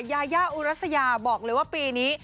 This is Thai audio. ยายาอุรัสยาบอกเลยว่าปีนี้